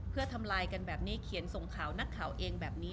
เพื่อทำลายกันแบบนี้เขียนส่งข่าวนักข่าวเองแบบนี้